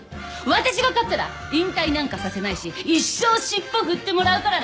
私が勝ったら引退なんかさせないし一生尻尾振ってもらうからね！